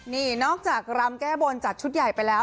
นี่นอกจากรำแก้บนจัดชุดใหญ่ไปแล้ว